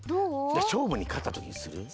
しょうぶにかったときにする？